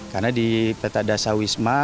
karena di peta dasar wisma